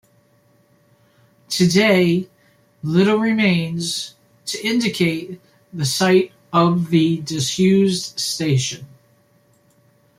Today, little remains to indicate the site of the disused station.